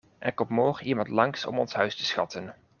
Er komt morgen iemand langs om ons huis te schatten.